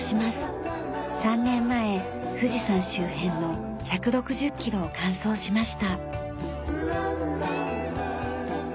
３年前富士山周辺の１６０キロを完走しました。